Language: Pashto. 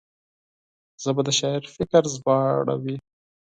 ژبه د شاعر فکر ژباړوي